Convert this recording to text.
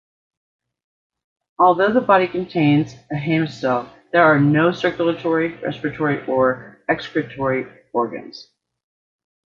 Although the body contains a haemocoel, there are no circulatory, respiratory, or excretory organs.